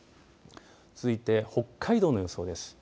続いて、北海道の予想です。